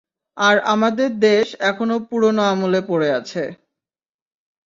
আর আমাদের দেশ এখনো পুরোনো আমলে পড়ে আছে।